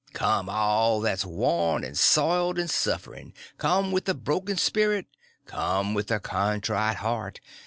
_) come, all that's worn and soiled and suffering!—come with a broken spirit! come with a contrite heart!